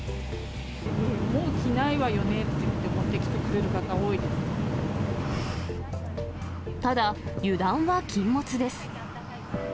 もう着ないわよねって言ってただ、油断は禁物です。